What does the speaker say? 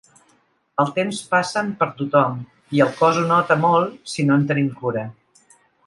Els temps passen per tothom i el cos ho nota molt si no en tenim cura.